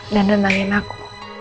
dan rendangin aku